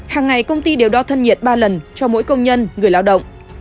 hàng ngày công ty đều đo thân nhiệt ba lần cho mỗi công nhân người lao động